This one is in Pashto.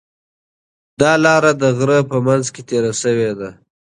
دا لاره د غره په منځ کې تېره شوې ده.